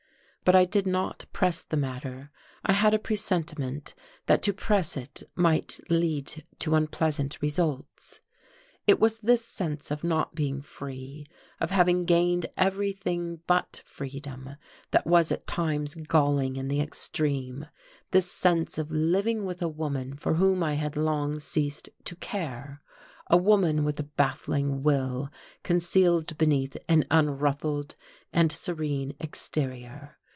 But I did not press the matter. I had a presentiment that to press it might lead to unpleasant results. It was this sense of not being free, of having gained everything but freedom that was at times galling in the extreme: this sense of living with a woman for whom I had long ceased to care, a woman with a baffling will concealed beneath an unruffled and serene exterior.